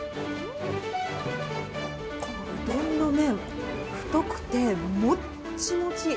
このうどんの麺、太くてもっちもち。